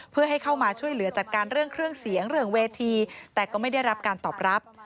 เพื่อให้เข้ามาช่วยเหลือจัดการเรื่องเครื่องเสียงเรื่องเวทีแต่ก็ไม่ได้รับการตอบรับ